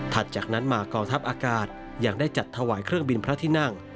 จากนั้นมากองทัพอากาศยังได้จัดถวายเครื่องบินพระที่นั่ง